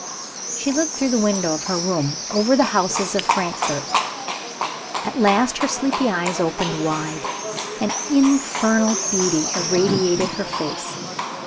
She looked through the window of her room over the houses of Frankfort. At last her sleepy eyes opened wide; an infernal beauty irradiated her face.